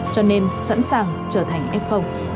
cho nên sẵn sàng trở thành f